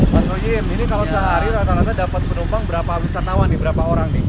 mas royim ini kalau sehari rata rata dapat penumpang berapa wisatawan berapa orang